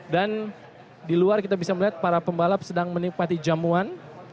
dan di luar kita bisa melihat para pembalap sedang menikmati jamuan